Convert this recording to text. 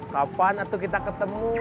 kapan atuh kita ketemu